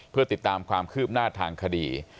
เพื่อติดตามความคืบหน้าทางคดี